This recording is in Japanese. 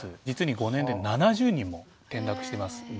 実に５年で７０人も転落しています。